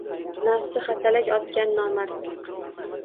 Nafsi hatalak otgan nomard!